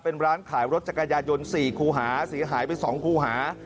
เป็นร้านขายรถจักรยานยนต์๔คูหาเสียหายไป๒คูหา